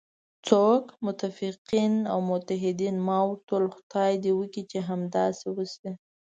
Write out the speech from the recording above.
څوک؟ متفقین او متحدین، ما ورته وویل: خدای دې وکړي چې همداسې وشي.